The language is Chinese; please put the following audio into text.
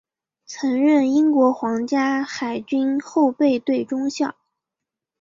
曾任英国皇家海军后备队中校。